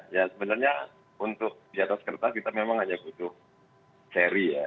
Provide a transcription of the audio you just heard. ya sebenarnya untuk di atas kertas kita memang hanya butuh seri ya